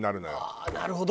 ああーなるほど！